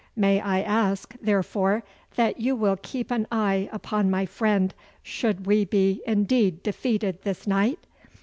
May I ask, therefore, that you will keep an eye upon my friend should we be indeed defeated this night?